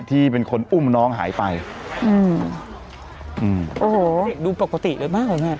ที่เป็นคนอุ้มน้องหายไปอืมอืมโอ้โหดูปกติเลยมากกว่าเนี้ย